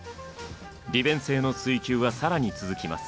利便性の追求は更に続きます。